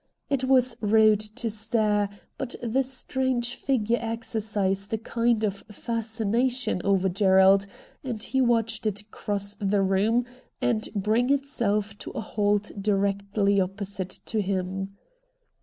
It was rude to stare, but the strange figure exercised a kind of fascination over Gerald, and he watched it cross the room and bring itself to a halt directly opposite to him.